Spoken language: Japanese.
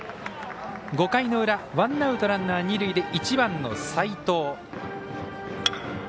５回の裏ワンアウト、ランナー、二塁で１番の齋藤。